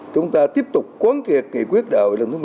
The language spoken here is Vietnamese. chúng ta tiếp tục quán kiệt nghị quyết đảo lần thứ một mươi ba của đảng